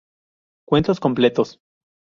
Cuentos completos.